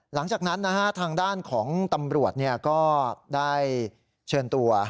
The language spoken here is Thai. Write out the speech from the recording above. หลังจากนั้นทางด้านของตำรวจก็ได้เชิญตัว